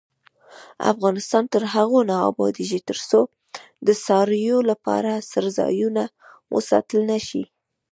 افغانستان تر هغو نه ابادیږي، ترڅو د څارویو لپاره څړځایونه وساتل نشي.